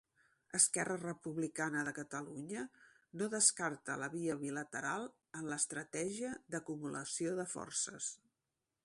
Esquerra Republicana de Catalunya no descarta la via bilateral en l'estratègia d'acumulació de forces.